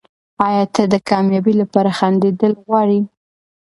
ایا ته د کامیابۍ لپاره خندېدل غواړې؟